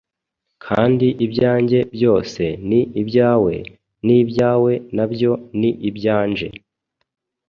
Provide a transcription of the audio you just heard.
Kandi ibyanjye byose ni ibyawe; n’ibyawe na byo ni ibyanje,